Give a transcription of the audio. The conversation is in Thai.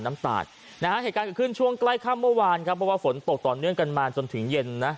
น้ำตาลนะฮะเหตุการณ์เกิดขึ้นช่วงใกล้ค่ำเมื่อวานครับเพราะว่าฝนตกต่อเนื่องกันมาจนถึงเย็นนะ